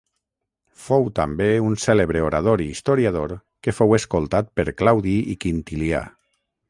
Fou també un cèlebre orador i historiador que fou escoltat per Claudi i Quintilià.